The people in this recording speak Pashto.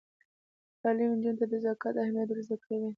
تعلیم نجونو ته د زکات اهمیت ور زده کوي.